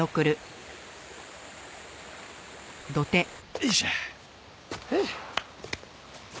よいしょ。